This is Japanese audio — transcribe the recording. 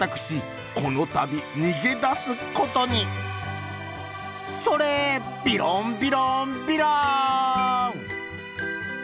このたびにげだすことにそれービロンビロンビローン」。